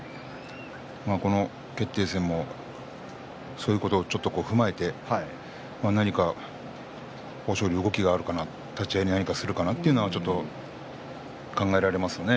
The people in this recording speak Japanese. この決定戦もそういうことを踏まえて何か豊昇龍に動きがあるかな立ち合い変化するかなっていうのはちょっと考えられますね。